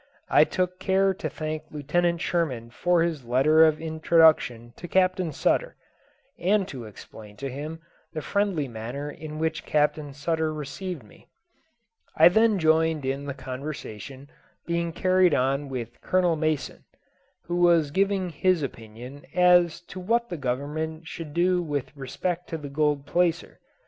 I took care to thank Lieutenant Sherman for his letter of introduction to Captain Sutter, and to explain to him the friendly manner in which Captain Sutter received me. I then joined in the conversation being carried on with Colonel Mason, who was giving his opinion as to what the Government would do with respect to the gold placer.